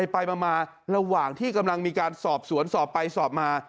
ไปมาระหว่างที่กำลังมีการสอบสวนสอบไปสอบมา